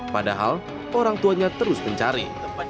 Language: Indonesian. padahal orang tuanya terus mencari